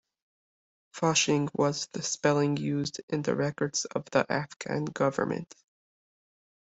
Fushing was the spelling used in the records of the Afghan government.